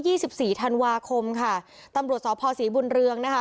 สิบสี่ธันวาคมค่ะตำรวจสพศรีบุญเรืองนะคะ